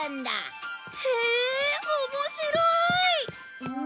へえ面白い！